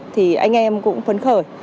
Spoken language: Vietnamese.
thì anh em cũng phấn khởi